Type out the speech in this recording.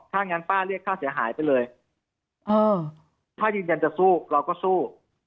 ถ้างั้นป้าเรียกค่าเสียหายไปเลยถ้ายืนยันจะสู้เราก็สู้